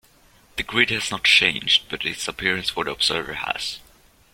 The grid has not changed, but its "appearance" for the observer has.